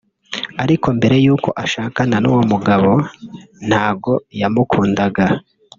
ariko mbere yuko ashakana n’uwo mugabo ntago yamukundaga